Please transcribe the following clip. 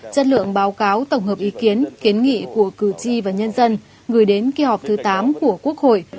chất lượng báo cáo tổng hợp ý kiến kiến nghị của cử tri và nhân dân gửi đến kỳ họp thứ tám của quốc hội